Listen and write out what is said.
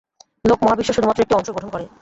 লোক মহাবিশ্ব শুধুমাত্র একটি অংশ গঠন করে।